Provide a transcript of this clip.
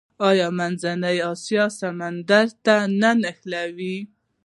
آیا منځنۍ اسیا سمندر ته نه نښلوي؟